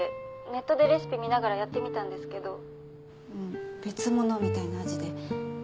ネットでレシピ見ながらやってみたんですけどうん別物みたいな味で。